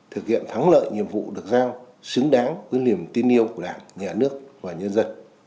thực hiện thắng lợi nhiệm vụ được giao xứng đáng với niềm tin yêu của đảng nhà nước và nhân dân